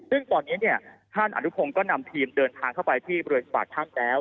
ซึ่งตอนนี้ท่านอนุพงศ์ก็นำทีมเดินทางเข้าไปที่บริเวณปากถ้ำแล้ว